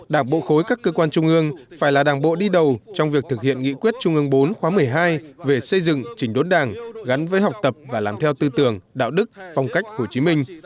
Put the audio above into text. đảng bộ khối các cơ quan trung ương phải là đảng bộ đi đầu trong việc thực hiện nghị quyết trung ương bốn khóa một mươi hai về xây dựng chỉnh đốn đảng gắn với học tập và làm theo tư tưởng đạo đức phong cách hồ chí minh